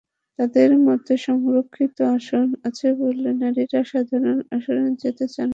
তাঁদের মতে, সংরক্ষিত আসন আছে বলে নারীরা সাধারণ আসনে যেতে চান না।